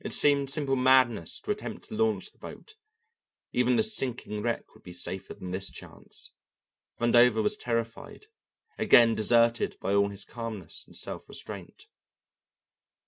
It seemed simple madness to attempt to launch the boat; even the sinking wreck would be safer than this chance. Vandover was terrified, again deserted by all his calmness and self restraint.